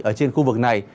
ở trên khu vực này